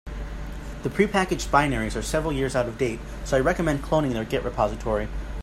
The prepackaged binaries are several years out of date, so I recommend cloning their git repository.